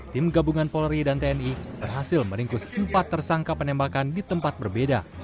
tim gabungan polri dan tni berhasil meringkus empat tersangka penembakan di tempat berbeda